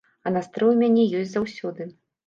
А настрой у мяне ёсць заўсёды.